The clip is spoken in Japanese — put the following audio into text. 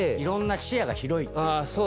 視野が広いっていう。